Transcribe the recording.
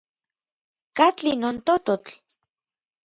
¿Katli nin tototl?